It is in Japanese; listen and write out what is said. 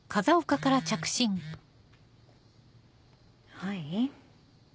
はい。